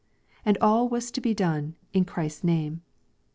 And all was to be done " in Christ's name."